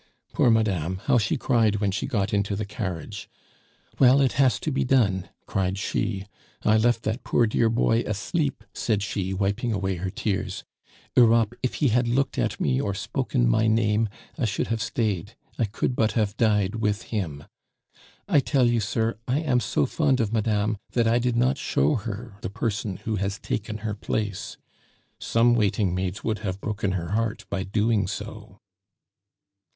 Poor Madame, how she cried when she got into the carriage. 'Well, it has to be done!' cried she. 'I left that poor dear boy asleep,' said she, wiping away her tears; 'Europe, if he had looked at me or spoken my name, I should have stayed I could but have died with him.' I tell you, sir, I am so fond of madame, that I did not show her the person who has taken her place; some waiting maids would have broken her heart by doing so."